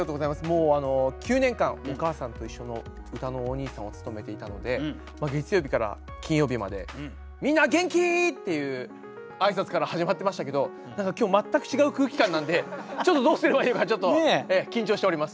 もう９年間「おかあさんといっしょ」のうたのおにいさんを務めていたので月曜日から金曜日まで「みんな元気？」っていう挨拶から始まってましたけど何か今日全く違う空気感なんでちょっとどうすればいいのかちょっと緊張しております。